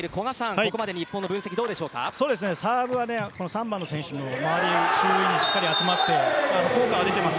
ここまで日本の分析サーブは３番の選手にしっかり集まって効果が出ています。